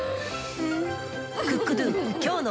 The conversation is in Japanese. うん！